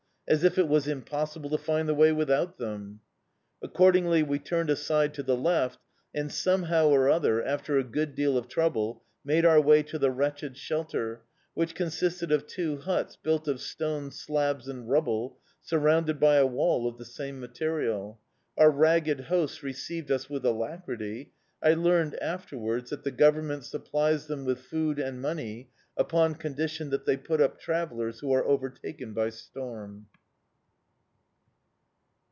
As if it was impossible to find the way without them!" Accordingly we turned aside to the left, and, somehow or other, after a good deal of trouble, made our way to the wretched shelter, which consisted of two huts built of stone slabs and rubble, surrounded by a wall of the same material. Our ragged hosts received us with alacrity. I learned afterwards that the Government supplies them with money and food upon condition that they put up travellers who are overtaken by storm.